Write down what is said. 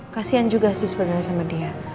kasian juga sih sebenarnya sama dia